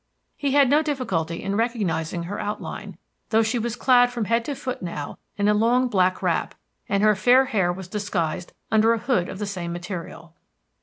He had no difficulty in recognising her outline, though she was clad from head to foot now in a long, black wrap, and her fair hair was disguised under a hood of the same material.